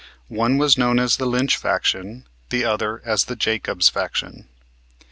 One was known as the Lynch faction, the other as the Jacobs faction.